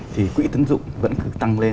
thì quỹ tiến dụng vẫn tăng lên